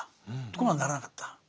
ところがならなかった。